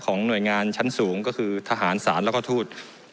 หน่วยงานชั้นสูงก็คือทหารศาลแล้วก็ทูต